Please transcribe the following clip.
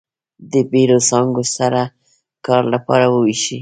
د بېلو څانګو سره کار لپاره ووېشلې.